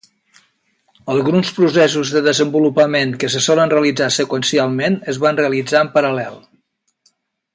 Alguns processos de desenvolupament que se solen realitzar seqüencialment es van realitzar en paral·lel.